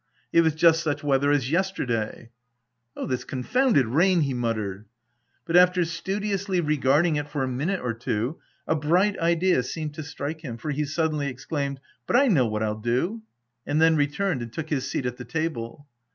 It was just such weather as yesterday. "Oh, this confounded rain !" he muttered. But after studiously regarding it for a minute or two, a bright idea seemed to strike him, for he suddenly exclaimed, " But I know what I'll do!" and then returned and took his seat at the table.